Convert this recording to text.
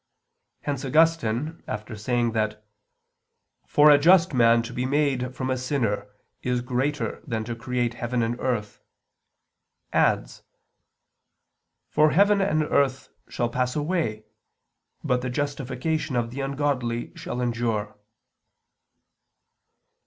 Hence, Augustine, after saying that "for a just man to be made from a sinner is greater than to create heaven and earth," adds, "for heaven and earth shall pass away, but the justification of the ungodly shall endure."